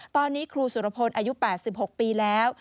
ตอนนี้ครูสุรพลอายุ๘๖ปีแล้ว